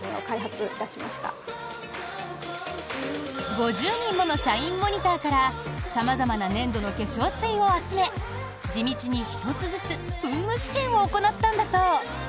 ５０人もの社員モニターから様々な粘度の化粧水を集め地道に１つずつ噴霧試験を行ったんだそう。